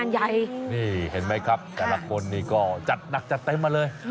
นี่เห็นไหมครับแต่ละคนนี่ก็จัดหนักจัดเต็มมาเลย